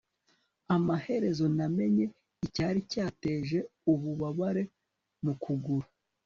amaherezo namenye icyari cyateje ububabare mu kuguru